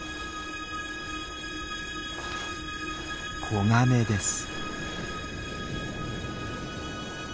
子ガメです。